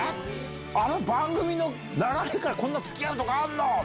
あの番組の流れからこんなつきあうとかあるの？